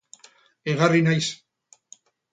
Egarri naiz.